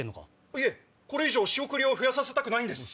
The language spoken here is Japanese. いえこれ以上仕送りを増やさせたくないんです。